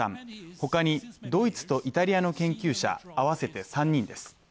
他にドイツとイタリアの研究者合わせて３人です。